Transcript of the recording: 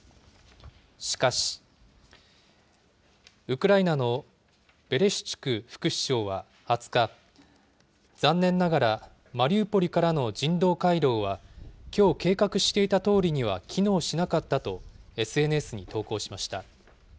しかし、ウクライナのベレシチュク副首相は２０日、残念ながらマリウポリからの人道回廊はきょう計画していたとおりには機能しなかったとＳＮＳに投稿しました。